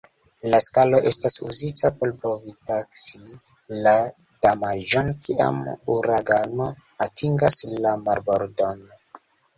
La skalo estas uzita por povi taksi la damaĝon kiam uragano atingas la marbordon.